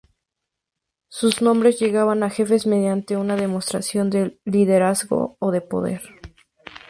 Sus hombres llegaban a jefes mediante una demostración de liderazgo o de poder.